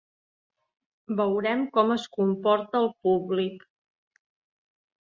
Veurem com es comporta el públic.